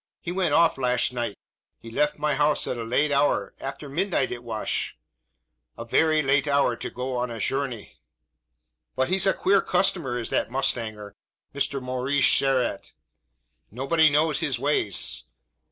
He went off lasht night. He left my housh at a late hour after midnight it wash a very late hour, to go a shourney! But he's a queer cushtomer is that mushtanger, Mister Maurish Sherralt. Nobody knows his ways.